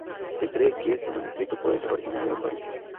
Se cree que este manuscrito puede ser originario de París.